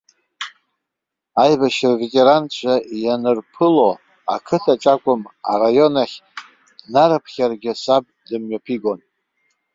Аибашьра аветеранцәа ианырԥыло, ақыҭаҿы акәым, араион ахь днарыԥхьаргьы, саб дымҩаԥигон.